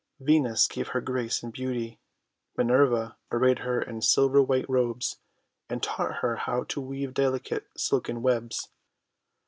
Venus gave her grace and beauty. Minerva arrayed her in silver white robes, and taught her how to weave delicate silken webs.